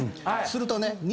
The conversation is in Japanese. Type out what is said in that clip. するとね。